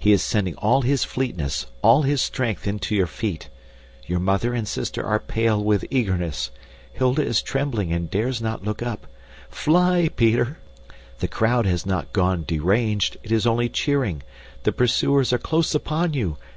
He is sending all his fleetness, all his strength into your feet. Your mother and sister are pale with eagerness. Hilda is trembling and dares not look up. Fly, Peter! The crowd has not gone deranged, it is only cheering. The pursuers are close upon you!